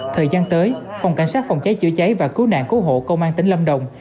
thời gian tới phòng cảnh sát phòng cháy chữa cháy và cứu nạn cứu hộ công an tỉnh lâm đồng